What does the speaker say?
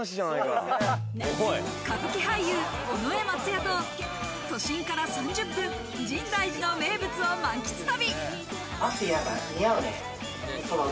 歌舞伎俳優・尾上松也と都心から３０分、深大寺の名物を満喫旅。